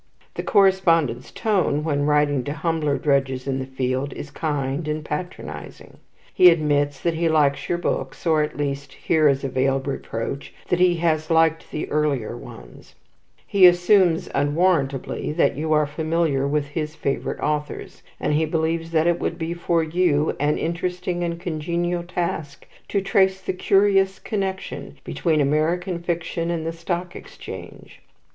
The correspondent's tone, when writing to humbler drudges in the field, is kind and patronizing. He admits that he likes your books, or at least here is a veiled reproach that he "has liked the earlier ones"; he assumes, unwarrantably, that you are familiar with his favourite authors; and he believes that it would be for you "an interesting and congenial task" to trace the "curious connection" between American fiction and the stock exchange.